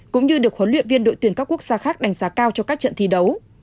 cũng như được huấn luyện viên đội tuyển các quốc gia khác đánh giá cao cho các trận thi đấu